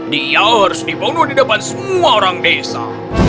dia harus dibunuh di depan semua orang desa